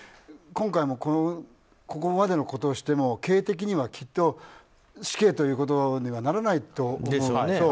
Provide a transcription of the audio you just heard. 今回もここまでのことをしても刑的にはきっと死刑ということにはならないと思うので。